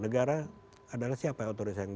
negara adalah siapa ya otoritas yang